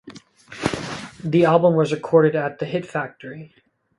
The album was recorded at the Hit Factory.